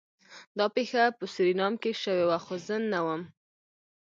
دا پیښه په سورینام کې شوې وه خو زه نه وم